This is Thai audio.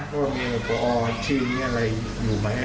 ว่าพอชิมนี้อะไรอยู่ไหม